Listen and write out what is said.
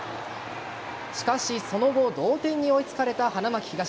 しかし、その後同点に追いつかれた花巻東。